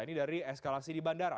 ini dari eskalasi di bandara